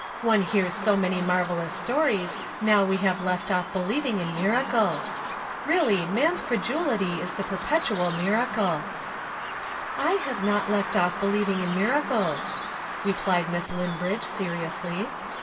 One hears so many marvellous stories, now that we have left off believing in miracles. Really, man's credulity is the perpetual miracle." "I have not left off believing in miracles," replied Miss Linbridge seriously.